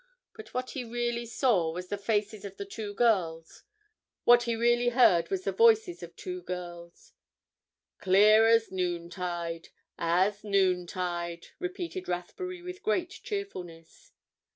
But what he really saw was the faces of the two girls; what he really heard was the voices of two girls … "Clear as noontide—as noontide," repeated Rathbury with great cheerfulness.